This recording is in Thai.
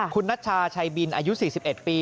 คุณนัชชาชัยบินอายุ๔๑ปี